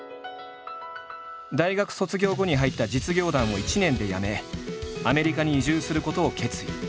大学卒業後に入った実業団を１年で辞めアメリカに移住することを決意。